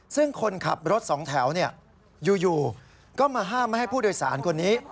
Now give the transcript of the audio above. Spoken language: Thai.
ซึ่งคนขับรถสองแถวอยู่ก็มาห้ามไม่ให้ผู้โดยสารคนนี้